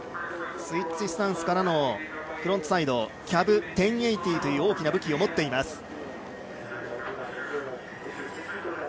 スイッチスタンスからのフロントサイドキャブ１０８０という大きな武器を持っています。